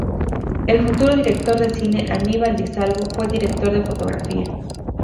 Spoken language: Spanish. El futuro director de cine Aníbal Di Salvo fue el director de fotografía.